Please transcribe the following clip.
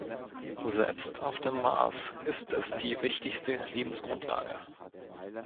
Selbst auf dem Mars ist es die wichtigste Lebensgrundlage.